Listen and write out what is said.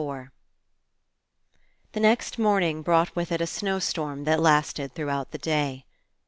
FOUR X HE NEXT MORNING brought With it a snow storm that lasted throughout the day.